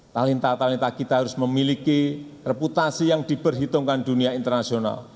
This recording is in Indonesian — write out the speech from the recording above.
talenta talenta kita harus memiliki reputasi yang diperhitungkan dunia internasional